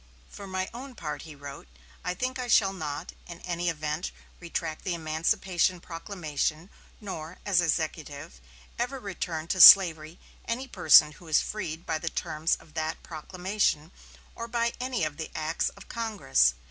"For my own part," he wrote, "I think I shall not, in any event, retract the emancipation proclamation; nor, as Executive, ever return to slavery any person who is freed by the terms of that proclamation, or by any of the acts of Congress.